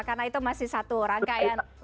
karena itu masih satu rangkaian